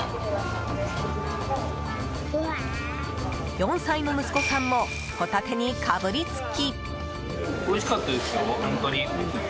４歳の息子さんもホタテにかぶりつき！